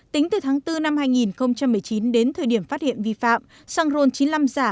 tính từ tháng bốn năm hai nghìn một mươi chín đến thời điểm phát hiện vi phạm xăng rôn chín mươi năm giả